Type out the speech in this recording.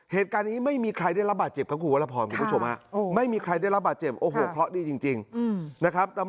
เหตุการณ์นี้ไม่มีใครได้รับบาดเจ็บครับคุณผู้ชมฮะ